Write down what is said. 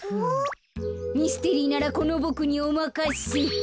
ミステリーならこのボクにおまかせ！